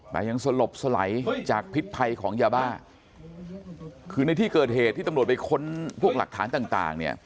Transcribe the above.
แต่ยังสลบสลายจากพิษภัยของยาบ้าคือในที่เกิดเหตุที่ตำรวจไปค้นพวกหลักฐานต่างต่างเนี่ย